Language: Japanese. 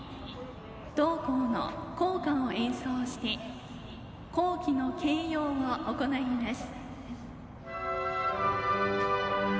同校の校歌を演奏して校旗の掲揚を行います。